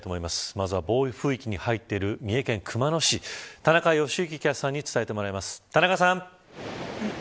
まずは暴風域に入っている三重県熊野市田中良幸キャスターに伝えてもらいます。